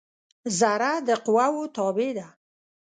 ذره د قوؤ تابع ده.